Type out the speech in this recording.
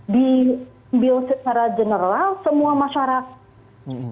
diambil secara general semua masyarakat